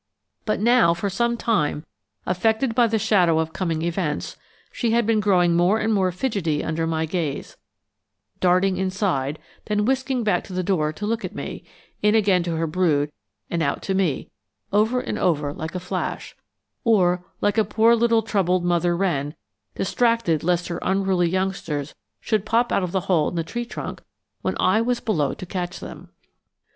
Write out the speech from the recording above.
But now, for some time, affected by the shadow of coming events, she had been growing more and more fidgety under my gaze, darting inside, then whisking back to the door to look at me, in again to her brood and out to me, over and over like a flash or, like a poor little troubled mother wren, distracted lest her unruly youngsters should pop out of the hole in the tree trunk when I was below to catch them.